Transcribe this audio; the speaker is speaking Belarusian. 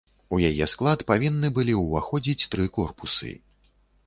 У яе склад павінны былі ўваходзіць тры корпусы.